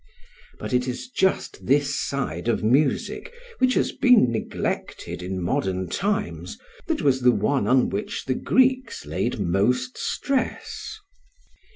But it is just this side of music, which has been neglected in modern times, that was the one on which the Greeks laid most stress.